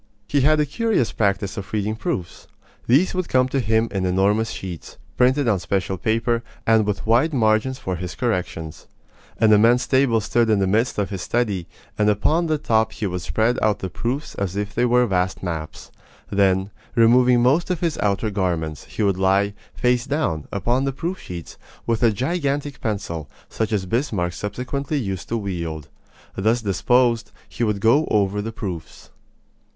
He had a curious practise of reading proofs. These would come to him in enormous sheets, printed on special paper, and with wide margins for his corrections. An immense table stood in the midst of his study, and upon the top he would spread out the proofs as if they were vast maps. Then, removing most of his outer garments, he would lie, face down, upon the proof sheets, with a gigantic pencil, such as Bismarck subsequently used to wield. Thus disposed, he would go over the proofs.